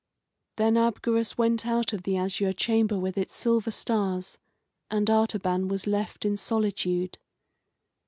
Then Abgarus went out of the azure chamber with its silver stars, and Artaban was left in solitude.